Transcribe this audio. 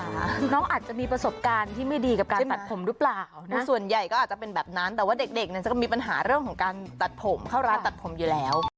คือน้องอาจจะมีประสบการณ์ที่ไม่ดีกับการตัดผมหรือเปล่าส่วนใหญ่ก็อาจจะเป็นแบบนั้นแต่ว่าเด็กเนี่ยจะมีปัญหาเรื่องของการตัดผมเข้าร้านตัดผมอยู่แล้ว